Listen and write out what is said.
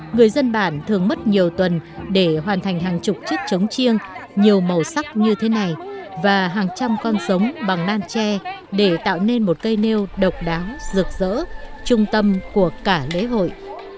người dân bản thường mất nhiều tuần để hoàn thành hàng chục chất chống chiêng nhiều màu sắc như thế này và hàng trăm con sống bằng nan tre để tạo nên một cây nêu độc đáo rực rỡ trung tâm của cả lễ hội